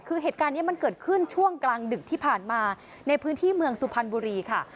คือเหตุการณ์นี้มันเกิดขึ้นช่วงกลางดึกที่ผ่านมาในพื้นที่เมืองสุพรรณบุรีค่ะ